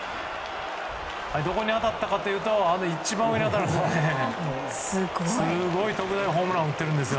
どこに当たったかというと一番上に当たったんです。